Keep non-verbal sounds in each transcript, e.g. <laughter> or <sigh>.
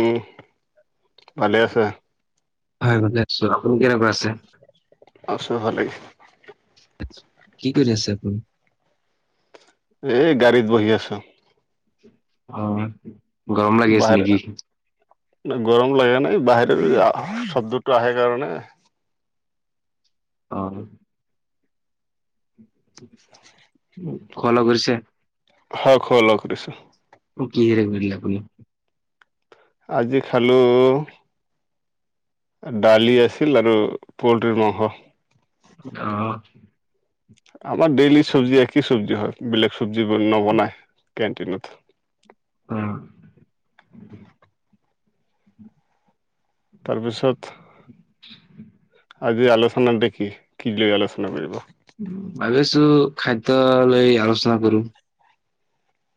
উম, ভালে আছা? হয়, ভালে আছো। আপুনি কেনেকুৱা আছে? আছো ভালেই। কি কৰি আছে আপুনি? এ গাড়ীত বহি আছো। হয়। বাহিৰ গৰম লাগে নাই? বাহিৰ শব্দটো আহে কাৰণে অ। খোৱা-লোৱা কৰিছে? হয়, খোৱা-লোৱা কৰিছোঁ। অ কিহেৰে কৰিলে আপুনি? আজি খালো দালি আছিল আৰু পল্ট্ৰিৰ মাংস। অ। আমাৰ ডেইলি চব্জি একেই চব্জি হয়। বেলেগ চব্জি নবনাই কেণ্টিনত। অ। তাৰপিছত আজি আলোচনাত দেখি কি লৈ আলোচনা কৰিব? ভাবিছো খাদ্য লৈ আলোচনা কৰো।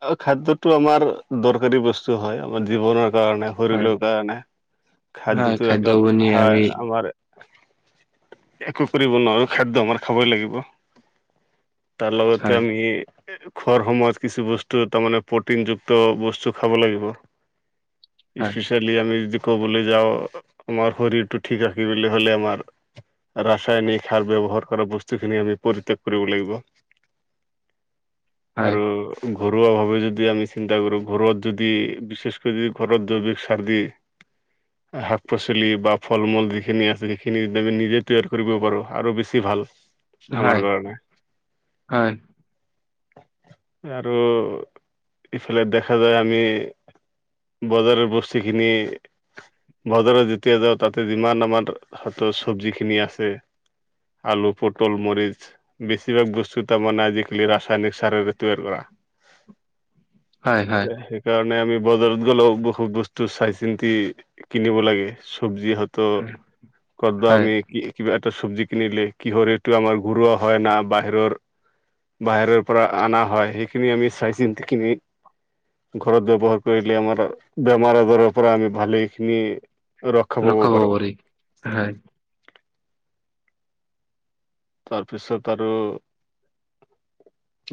অ খাদ্যটো আমাৰ দৰকাৰী বস্তু হয়। আমাৰ জীৱনৰ কাৰণে, হয়, শৰীৰৰ কাৰণে হয় খাদ্যতো খাদ্য এটা বনিয়ে আমি হয় আমাৰ একো কৰিব নোৱাৰো। খাদ্য আমাৰ খাবই লাগিব। তাৰ লগতে হয়, আমি খোৱাৰ সময়ত কিছু বচ টো তামানে প্ৰটিনযুক্ত বস্তু খাব লাগিব। হয়, ইছপিছিয়েলি আমি যে ক'বলে যাওঁ আমাৰ শৰীৰটো ঠিক ৰাখিবলে হ'লে আমাৰ ৰাচায়নিক সাৰ ব্যৱহাৰ কৰা বস্তুখিনি আমি পৰিত্যাগ কৰিব লাগিব। <inaudible> আৰু ঘৰুৱাভাৱে যদি আমি চিন্তা কৰোঁ ঘৰত যদি বিশেচকৈ যদি ঘৰত জৈৱিক চাৰ দি <inaudible> শাক-পাচলি বা ফল-মূল যিখিনি আছে সেইখিনি যদি আমি নিজে তৈয়াৰ কৰিব পাৰো আৰু বেছি ভাল। আমাৰ হয়। কাৰণে হয়। টো ইফালে দেখা যায় আমি বজাৰৰ বস্তিখিনি বজাৰত যেতিয়া যাওঁ তাতে যিমান আমাৰ হত চব্জিখিনি আছে আলু, পটল, মৰিচ। বেছিভাগ বস্তু তামানে আজিকালি ৰাসায়নিক সাৰৰে তৈয়াৰ কৰা। তে হয়, হে সেই কাৰণে আমি বজাৰত গ'লেও বহুত বস্তু চাই চিন্তি কিনিব লাগে। চব্জি হত তো হয়, <unintelligible> হয় কৰদমি কি কিবা এটা চব্জি কিনিলে কিহৰ এইটো আমাৰ ঘৰুৱা হয় না বাহিৰৰ বাহিৰৰ পৰা অনা হয়, সেইখিনি আমি চাই চিন্তি কিনি ঘৰত ব্যৱহাৰ কৰিলে আমাৰ বেমাৰ আজাৰৰ পৰা আমি ভালে খিনি ৰক্ষা পাব পাৰি, হয়। তাৰপিছত আৰু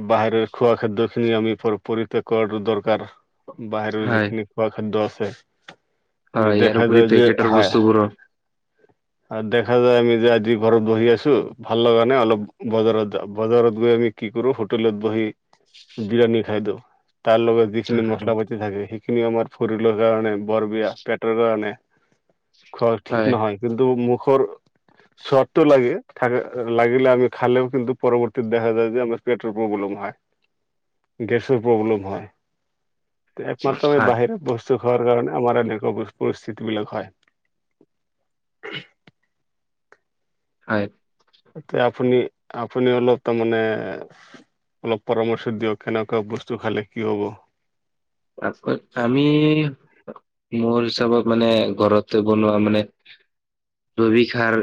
বাহিৰৰ খোৱা খাদ্যখিনি আমি পৰি পৰিত্যাগ কৰাটো দৰকাৰ। বাহিৰৰ হয়, যিখিনি খোৱা খাদ্য আছে। আমি হয় ইয়াৰ দেখা উপৰি যায় যে, পেকেটৰ হয়। বস্তুবোৰৰ আৰু দেখা যায় আমি যে আজি ঘৰত বহি আছোঁ ভাল লগা নাই অলপ বজাৰত যাওঁ। বজাৰত গৈ আমি কি কৰোঁ? হোটেলত বহি বিৰিয়ানী খাইদওঁ, তাৰ লগত যিখিনি মছলা পাতি থাকে, সেইখিনি আমাৰ ফৰিলৰ কাৰণে বৰ বেয়া পেটৰ কাৰণে খোৱা ঠিক হয়, নহয় কিন্তু মুখৰ স্বাদটো লাগে। থাকে লাগিলে আমি খালেও কিন্তু পৰৱৰ্তী দেখা যায় যে আমাৰ পেটৰ প্ৰব্লেম হয়। গেছৰ প্ৰব্লেম হয়। একমাত্ৰ আমি হয়, বাহিৰত বস্তু খোৱাৰ কাৰণে আমাৰ এনেকোৱা পৰিস্থিতি বিলাক হয়। হয়। তে আপুনি-আপুনি অলপ তাৰমানে অলপ পৰামৰ্শ দিয়ক কেনেকুৱা বস্তু খালে কি হ'ব? ত <unintelligible> আমি মোৰ হিচাপত মানে, ঘৰতে বনোৱা মানে জৈৱিক সাৰ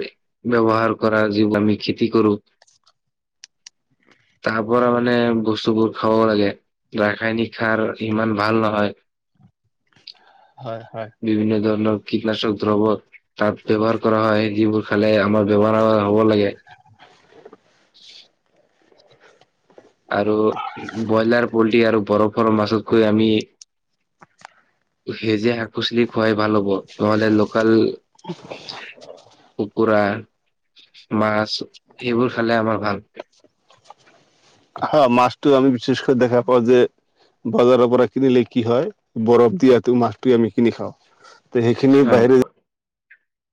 ব্যৱহাৰ কৰা যি আমি খেতি কৰোঁ তাৰ পৰা মানে বস্তুবোৰ খাব লাগে। ৰাসায়নিক সাৰ ইমান ভাল নহয়। হয়-হয়। বিভিন্ন ধৰণৰ কীটনাশক দ্ৰব্য তাত ব্যৱহাৰ কৰা হয়, যিবোৰ খালে আমাৰ ব্যৱাৰ হ'ব লাগে। আৰু ব্ৰইলাৰ, পল্ট্ৰি আৰু বৰফ ফৰম বাাছতকৈ আমি, সেউজীয়া খুচলি খুৱাই ভাল হ'ব, নহলে লোকেল কুকুৰা মাছ, সেইবোৰ খালে আমাৰ ভাল। হা মাছটো আমি বিশেষকৈ দেখা পাওঁ যে বজাৰৰ পৰা কিনিলে কি হয়, বৰফ দিয়ো মাছটো আমি কিনি খাওঁ। তে সেইখিনি হয় বাহিৰে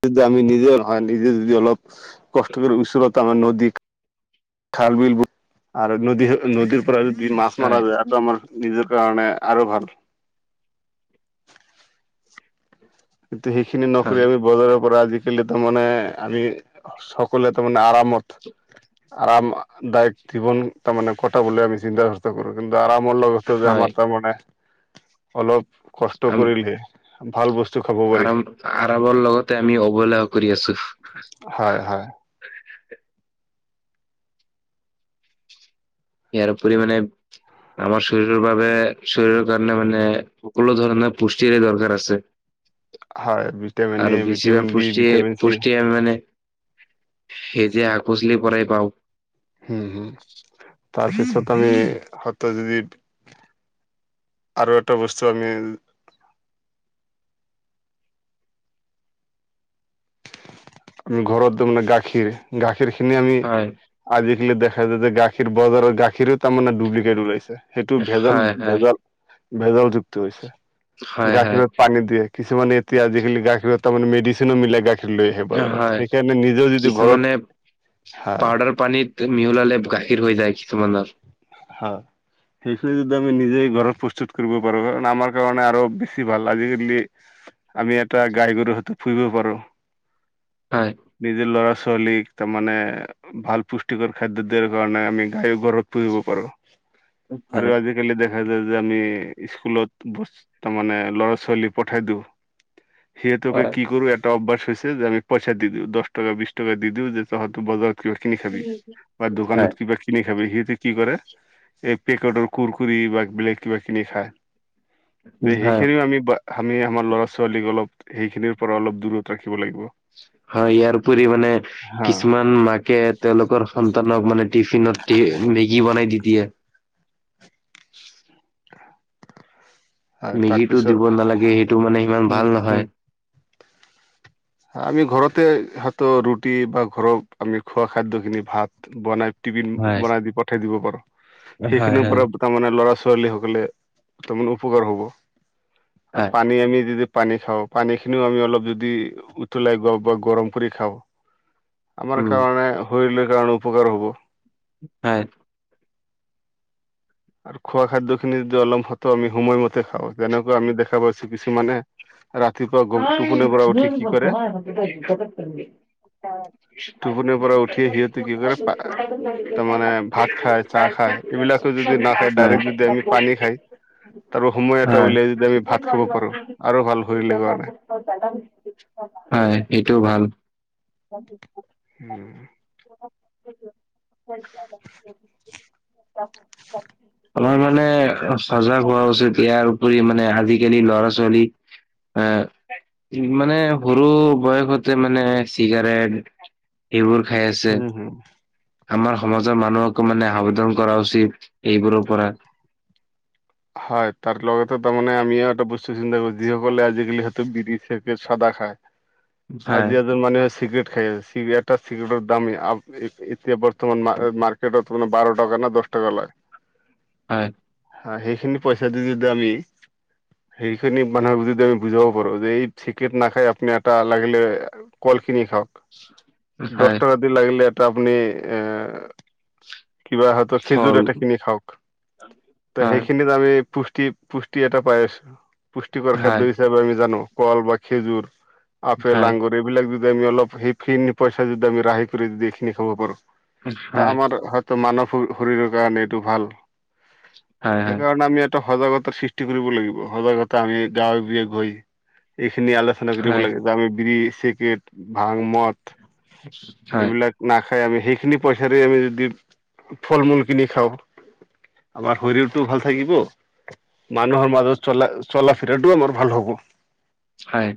যদি আমি নিজে-নিজে যদি অলপ কষ্ট কৰি ওচৰত আমাৰ নদী খাল বিল <inaudible> আৰু নদী নদীৰ পৰা যদি মাছ হয় মাৰা যায় আৰুটো আমাৰ নিজৰ কাৰণে আৰু ভাল। কিন্তু সেইখিনি হয় নকৰি আমি বজাৰৰ পৰা আজি থাকিলেহ টো মানে আমি সকলোৱে টো মানে আৰামত আৰমদায়ক জীৱন তাৰ মানে কটা বলে আমি চিন্তা ো <unintelligible> কিন্তু আৰামৰ লগতো যে হয় আমাৰ তাৰমানানে অলপ কষ্ট কৰিলে ভাল বস্তু খাব পাৰি আৰাম-আৰামৰ লগতে আমি অবহেলা কৰি আছোঁ। হয়-হয়। ইয়াৰ উপৰি মানে আমাৰ চৰীৰৰ বাবে চৰীৰৰ কাৰণে মানে সকলো ধৰণৰ পুষ্টিৰে দৰকাৰ আছে। হয় ভিটামিন এ আৰু ভিটামিন বেছিভাগ বি ভিটামিন চি পুষ্টি-পুষ্ঠিয়ে মানে সেই যে হাক পাচলিৰ পৰাই পাওঁ। হুম-হুম। তাৰপিছত আমি <unintelligible> যদি আৰু এটা বস্তু আমি আমি ঘৰতো মানে গাখীৰ, গাখীৰ খিনি আমি হয় আজিকালি দেখা যায় যে গাখীৰ বজাৰৰ গাখীৰো তাৰমানে ডুপ্লিকেট ওলাইছে। সেইটো হয় হয় ভেজাল-ভেজাল-ভেজাল যুক্তি হৈছে, হয় গাখীৰত পানী দিয়ে। কিছ মমান এতিয়া আজিকালি গাখীৰৰ তাৰমানে মেডচিনো মিলাই গাখীৰ লৈ আহে হয় বজাৰত। হয় সেইকাৰণে নিজেও যদি কিছুমানে ঘৰত, হা। পাউদাৰ পানীত মিহলালে গাখীৰ হৈ যায় কিছুমানৰ। হা। সেইখিনি যদি আমি নিজেই ঘৰত প্ৰস্তুত কৰিব পাৰোঁ। কাৰণ আমাৰ কাৰণে আৰু বেছি ভাল, আজিকালি আমি এটা গাই গৰু হয়তো পুহিব পাৰোঁ। হয়। নিজৰ ল'ৰা ছোৱালীক তাৰমানে ভাল পুষ্টিকৰ খাদ্য দিয়াৰ কাৰণে আমি গায় ঘৰত পুহিব পাৰোঁ। আৰু হয় আজি আজিকালি দেখা যায় যে আমি স্কুলত তাৰ মানে ল'ৰা ছোৱালী পঠাই দিওঁ। সেই টোকে হয় কি কৰোঁ <unintelligible> হৈছে যে আমি পইচা দিওঁ। দহ টকা বিছ টকা দি দিওঁ যে তহত বজাৰ কিবা কিনি খাবি, বা দোকানত হয় কিবা কিনি খাবি। সিহঁতি কি কৰে? এই পেকেটৰ কুৰকুৰি বা বেলেগ কিবা কিনি খায়। তে হয় সেইখিনিও আমি বা আমি আমাৰ ল'ৰা ছোৱালীক অলপ সেইখিনিৰ পৰা অলপ দূৰত ৰাখিব লাগিব হয় ইয়াৰপৰি মানে হা কিছুমান মাকে তেওঁলোকৰ সন্তানক মানে টিফিনত মেগী বনাই দি দিয়ে। <unintelligible> মেগীটো তাৰপিছত দিব নালাগে, সেইটো মানে সিমান উম ভাল নহয়। উম আমি ঘৰতে হয়তো ৰুটি বা ঘৰত আমি খোৱা খাদ্য খিনি ভাত বনাই টিফিন হয়, বনাই দি পঠাই দিব পাৰোঁ। হয়, সেইখিনিৰ হয়। পৰা তাৰমানে ল'ৰা ছোৱালী সকলে তাৰমানে উপকাৰ হ'ব। আৰু হয়, পানী আমি য পানী খাওঁ, পানী খিনিও আমি অলপ যদি উতলাই গওঁ বা গৰম কৰি খাওঁ। আমাৰ উম, কাৰণে শৰীৰ কাৰণে উপকাৰ হ'ব। হয়। আৰু খোৱা খাদ্য খিনি যদি অলমপ হত আমি সময়মতে খাওঁ, যেনেকৈ আমি দেখা পাইছোঁ কিছুমানে ৰাতিপুৱা গ হয়, টোপনিৰ পৰা উঠি কি কৰে? টোপনিৰ পৰা উঠিয়ে সিহঁতে কি কৰে তাৰ মানে ভাত খাই চাহ খায়। এইবিলাকো যদি নাখাই ডাইৰেক্ট যদি আমি পানী খাই, তাৰপৰা সময এটো হয়, উলিয়াই যদি আমি ভাত খাব পাৰোঁ। আৰু ভাল। শৰীৰৰ কাৰণে <inaudible> হয়, এইটোও ভাল। উম। <unintelligible> <unintelligible> আমাৰ মানে চজাগ হোৱা উচিত। ইয়াৰ উপৰি মানে আজি-কালি ল'ৰা-ছোৱালী এ মানে সৰু বয়সতে মানে চিগাৰেট এইবোৰ খাই আছে। হম হম আমাৰ সমাজৰ মানুহকো মানে সাবদন কৰা উচিত এইবোৰৰ পৰা। হয়, তাৰ লগতে তাৰমানে আমিও এটা বস্তু চিন্তা কৰো যিসকলে আজি-কালি <unintelligible> <unintelligible> চাদা খায়। হয়, আজি এজন মানুহে চিগৰেট <unintelligible> চিগৰেটৰ দাম <unintelligible> এতিয়া বৰ্তমান মা-মাৰ্কেটত আপোনাৰ বাৰ টকা না দছ টকা লয়। হয়। হয়, সেইখিনি পইচা দি যদি আমি সেইখিনি মানুহক যদি আমি বুজাব পাৰো যে এই চিগেত নাখাই আপুনি এটা লাগিলে কল কিনি খাওক। দছ হয়, টকা দি লাগিলে এটা আপুনি এ কিবা হয়তো খেজুৰ ফল এটা কিনি খাওক। ত হয়, সেইখিনিত আমি পুষ্টি পুষ্টি এটা পাই আছো। পুষ্টিকৰ হয়। খাদ্য হি <unintelligible> আমি জানো কল বা খেজুৰ, আপেল হয়, আংঙুৰ এইবিলাক যদি আমি অলপ সেই ফিন পইচা যদি আমি ৰাহি কৰি যদি এইখিনি খাব পাৰো হয়, ত হয়, আমাৰ হয়তো মানব শৰীৰৰ কাৰণে এইটো ভাল। হয়, সেইকাৰণে আমি ইয়াত ত সজাগতা সৃষ্টি কৰিব লাগিব। সজাগতা আমি গাঁৱে-ভূঞে গৈ এইখিনি আলোচ চনা কৰিব হয়, লাগে যে বিৰি, চিগৰেট, ভাং মঠ হয়। নাখাই আমি সেইখিনি পইচাৰে আমি যদি ফল-মূল কিনি খাওঁ আমাৰ শৰীৰ টো ভাল থাকিব। মানুহ আমাৰ চলা চলা-ফিৰাটোও আমাৰ ভাল হ'ব। হয়।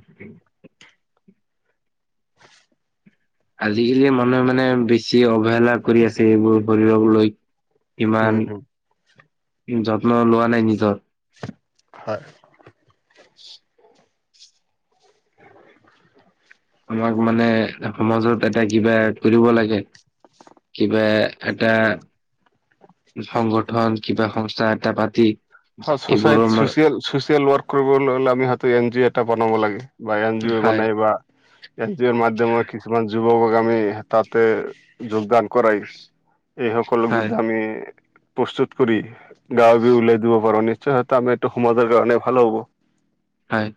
আজি-কালি মানুহে মানে বেছি অৱহেলা কৰি আছে এইবোৰ শৰীৰক লৈ। ইমান উম হম যত্ন লোৱা নাই নিজৰ। হয়। <inaudible> আমাক মানে সমাজত এটা কিবা কৰিব লাগে। কিবা এটা সংগঠন কিবা সংস্থা এটা পাতি <unintelligible> এইবোৰো চছাইট আমাৰ চচিয়েল ছচিয়েল ৱৰ্ক কৰিবলে হ'লে আমি হয়তো এন জি অ' এটা বনাব লাগে বা এন জি অ' হয়, বনাই বা এন জি অৰ মাধ্যমত কিছুমান যুৱকক আমি তাতে যোগদান কৰাই এই সকলক হয়, যদি আমি প্ৰস্তুত কৰি গাওঁ-ভূঁই উলাই দিব <unintelligible> নিশ্চয় হয়তো আমি এইটো সমাজৰ কাৰণে ভাল হ'ব। হয়।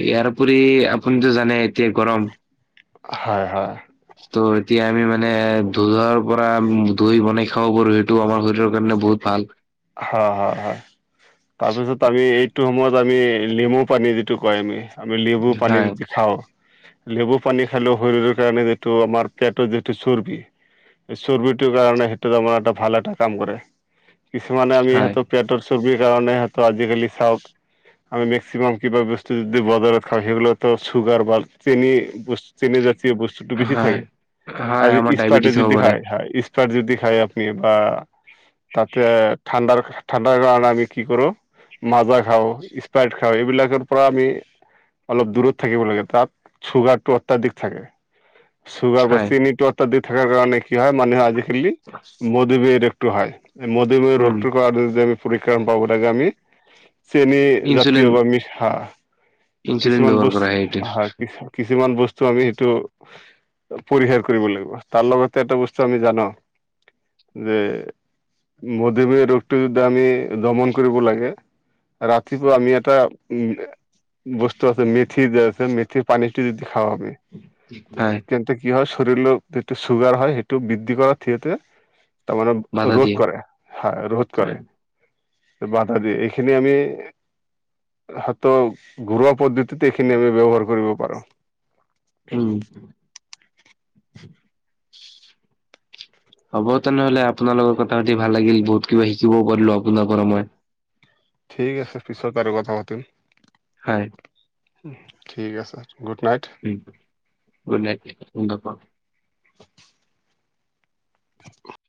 ইয়াৰ উপৰি আপুনিতো জানে এতিয়া গৰম। হয়, হয়। ত' এতিয়া আমি মানে <unintelligible> পৰা ধুই বনাই খাব পাৰো এ টো আমাৰ শৰীৰৰ কাৰণে বহুত ভাল। হয়, হয়, হয়। তাৰপিছত আমি এইটো সময়ত আমি লেমু পানী যিটো কয় আমি আমি লিবু পানী হয়। দি খাওঁ। লেবু পানী খালেও শৰীৰৰ কাৰণে যিটো আমাৰ পেটত যিটো চৰ্বি এ চৰ্বিটোৰ কাৰণে সেইটো তাৰমানে এটা ভাল এটা কাম কৰে। কিছুমানে আমি হয়, সিহঁতক পেটৰ চৰ্বিৰ কাৰণে সেহেতক আজি-কালি চাওঁক আমি মেক্সিমাম কিবা বস্তু যদি বজাৰত খাওঁ সেইগুলাটো চুগাৰ বা চেনি বচ চেনি জাতীয় বস্তুটো বেছি হয়। থাকে। হয়, আজি আমাৰ ইছতাৰ্তাৰ ডায়বেটিছ হ'ব যদি পাৰে, খায় খায়, ইছ যদি খায় আপুনি বা তাতে ঠাণ্ডাৰ ঠাণ্ডাৰ কাৰণে আমি কি কৰো মাজা খাওঁ, স্প্ৰাইট খাওঁ। এইবিলাকৰ পৰা আমি অলপ দূৰত থাকিব লাগে। তাত চুগাৰটো অত্যাধিক থাকে। চুগাৰ বা হয়। চেনিটো অত্যাধিক থাকাৰ কাৰণে কি হয় মানে আজি-কালি মধুমেহ <unintelligible> টো হয়। মধুমেহ উম, ৰোগটোৰ কাৰণে যদি আমি পৰিত্ৰাণ পাব লাগে আমি ইনচুলিন চেনিজাতীয় বা মিছহা ইনচুলিন কিছুমান ব্যৱহাৰ বচ কৰা এইটোৰ, হয়, কিছু কিছুমান বচ চ আমি সেইটো পৰিহাৰ কৰিব লাগিব। তাৰ লগতে এটা বস্তু আমি জানো যে মধুমেহ ৰোগটো যদি আমি দমন কৰিব লাগে ৰাতিপুৱা আমি এটা উম বস্তু আছে মেথি যে আছে মেথিৰ পানীটো যদি খাওঁ আমি হয়। তেন্তে কি হয় চৰীৰ <unintelligible> যিটো চুগাৰ হয় সেইটো বৃদ্ধি কৰাত সিঁহতে তাৰ মানে বাধা ৰোধ দিয়ে। কৰে। হয়, ৰোধ হয়। কৰে। বাধা দিয়ে। এইখিনি আমি হতো ঘৰুৱা পদ্ধ তাতে এইখিনি আমি ব্যৱহাৰ কৰিব পাৰোঁ। উম, <inaudible> হ'ব তেনেহ'লে, আপোনাৰ লগত কথা পাতি ভাল লাগিল। বহুত কিবা শিকিবও পাৰিলো আপোনাৰ পৰা মই। ঠিক আছে পিছত আৰু কথা পাতিম। হয়। ঠিক আছে, গুড নাইট। উম, গুড নাইট <unintelligible> <inaudible> <inaudible>